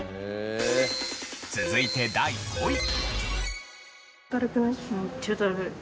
続いて第５位。